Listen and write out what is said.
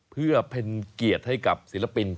เพื่อเป็นเกียรติให้กับศิลปินท่านนี้เลยครับ